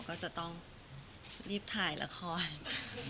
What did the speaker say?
ก็จะต้องรีบถ่ายละคร